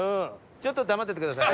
ちょっと黙っててください。